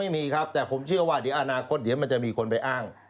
ไม่มีครับแต่ผมเชื่อว่าเดี๋ยวอนาคตเดี๋ยวมันจะมีคนไปอ้าง